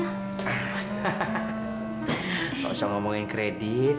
nggak usah ngomongin kredit